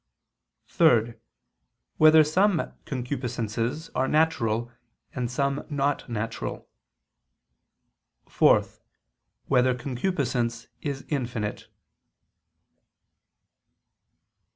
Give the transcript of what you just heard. (3) Whether some concupiscences are natural, and some not natural? (4) Whether concupiscence is infinite?